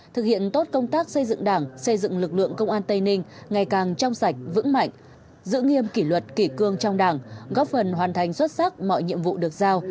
thực hiện tốt công tác xây dựng đảng xây dựng lực lượng công an tây ninh ngày càng trong sạch vững mạnh giữ nghiêm kỷ luật kỷ cương trong đảng góp phần hoàn thành xuất sắc mọi nhiệm vụ được giao